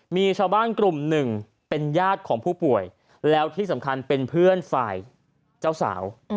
มีชาวบ้านกลุ่มหนึ่งเป็นญาติของผู้ป่วยแล้วที่สำคัญเป็นเพื่อนฝ่ายเจ้าสาว